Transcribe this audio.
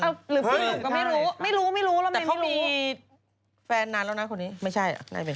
ก็เราไม่รู้อะใครเขียนให้หน่อย